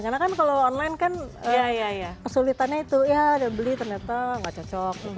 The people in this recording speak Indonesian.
karena kan kalau online kan kesulitannya itu ya udah beli ternyata nggak cocok gitu